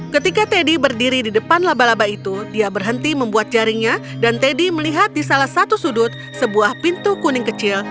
ketika teddy berdiri di depan laba laba itu dia berhenti membuat jaringnya dan teddy melihat di salah satu sudut sebuah pintu kuning kecil